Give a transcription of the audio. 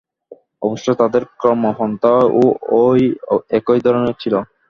অবশ্য তাদের কর্মপন্থাও ঐ একই ধরনের ছিল।